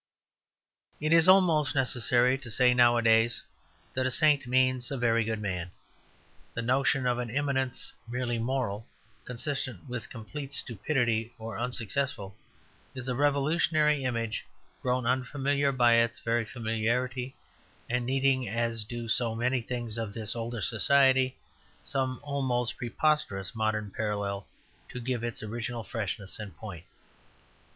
It is almost necessary to say nowadays that a saint means a very good man. The notion of an eminence merely moral, consistent with complete stupidity or unsuccess, is a revolutionary image grown unfamiliar by its very familiarity, and needing, as do so many things of this older society, some almost preposterous modern parallel to give its original freshness and point.